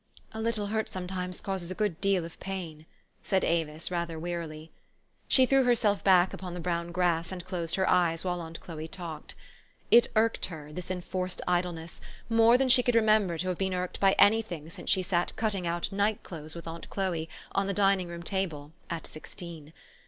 "A little hurt sometimes causes a good deal of pain," said Avis rather wearily. She threw herself back upon the brown grass, and closed her eyes while aunt Chloe talked. It irked her, this enforced idleness, more than she could remember to have been irked by any thing since she sat cutting out night clothes with aunt Chloe, on the dining room table, at sixteen.